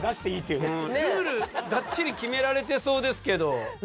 ルールがっちり決められてそうですけど。